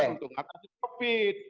untuk mengatasi covid